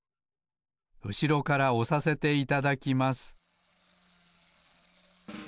うしろからおさせていただきます